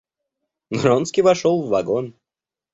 Вронский вошел в вагон.